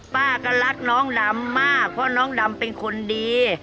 ป้าก็รักน้องดำมากเพราะน้องดำเป็นคนดี